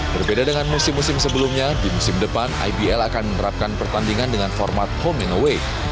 berbeda dengan musim musim sebelumnya di musim depan ibl akan menerapkan pertandingan dengan format home in away